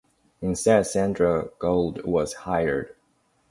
Instead, Sandra Gould was hired.